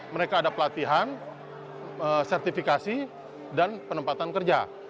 mereka ada pelatihan sertifikasi dan penempatan kerja